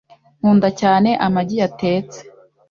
Nkunda cyane. amagi yatetse .